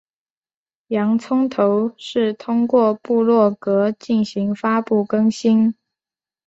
洋葱头是通过部落格进行发布更新。